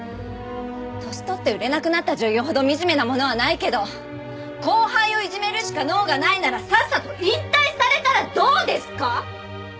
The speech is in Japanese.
年とって売れなくなった女優ほど惨めなものはないけど後輩をいじめるしか能がないならさっさと引退されたらどうですか！？